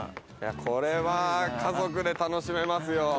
これは家族で楽しめますよ。